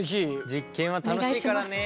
実験は楽しいからね。